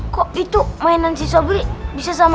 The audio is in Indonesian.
kok itu mainan si sobri bisa sama ustadz zah